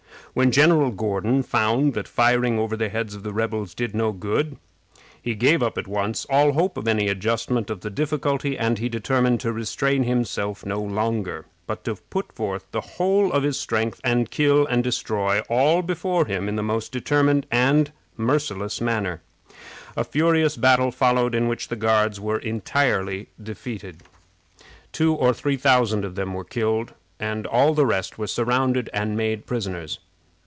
When General Gordon found that firing over the heads of the rebels did no good, ho gave up at once all hope of any adjustment of the difficulty, and he determined to restrain himself no longer, but to put forth the whole of his strength, and kill and destroy all before him in the most determined and merciless manner. A furious battle followed, in which the Guards were entirely defeated. Two or three thousand of them were killed, and all the rest were surrounded and made prisoners.